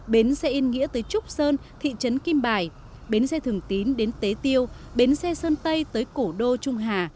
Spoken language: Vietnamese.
bến xe yên nghĩa tới trúc sơn thị trấn kim bài bến xe thường tín đến tế tiêu bến xe sơn tây tới cổ đô trung hà